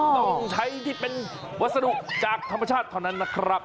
ต้องใช้ที่เป็นวัสดุจากธรรมชาติเท่านั้นนะครับ